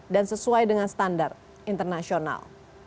dan sesuai dengan standar internasional